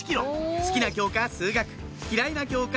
好きな教科数学嫌いな教科